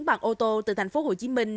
bằng ô tô từ thành phố hồ chí minh